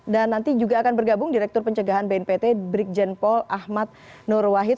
dan nanti juga akan bergabung direktur pencegahan bnpt brikjen paul ahmad nur wahid